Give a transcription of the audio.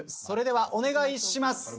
それではお願いします。